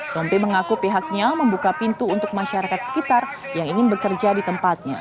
tompi mengaku pihaknya membuka pintu untuk masyarakat sekitar yang ingin bekerja di tempatnya